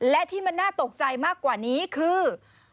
และที่มันน่าตกใจมากกว่านี้คือ